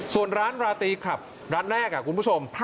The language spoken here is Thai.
ส่วนร้านราตีคลับร้านแรกคุณผู้ชม